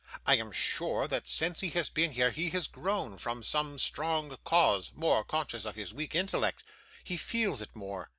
I am sure that since he has been here, he has grown, from some strong cause, more conscious of his weak intellect. He feels it more.